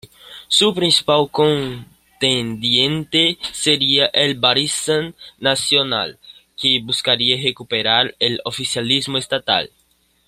Su principal contendiente sería el Barisan Nasional, que buscaría recuperar el oficialismo estatal.